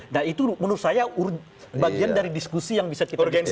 nah itu menurut saya bagian dari diskusi yang bisa kita diskusikan